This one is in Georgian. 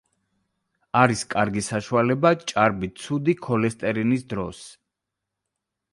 არის კარგი საშუალება ჭარბი ცუდი ქოლესტერინის დროს.